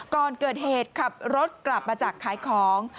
ก่อนเกิดเหตุขับรถกลับมาจากขายของ